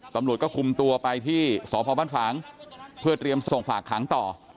ตำรวจก็คุมตัวไปที่สพบ้านฝางเพื่อเตรียมส่งฝากขังต่อ